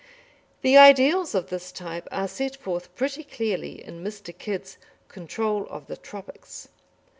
The ideals of this type are set forth pretty clearly in Mr. Kidd's Control of the Tropics.